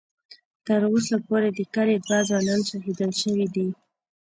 ـ تر اوسه پورې د کلي دوه ځوانان شهیدان شوي دي.